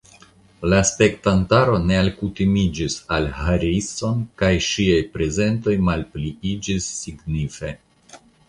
La spektantaro ne alkutimiĝis al Harrison kaj ŝiaj prezentoj malpliiĝis signife.